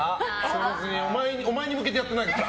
お前に向けてやってないから。